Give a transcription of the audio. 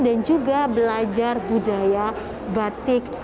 dan juga belajar budaya batik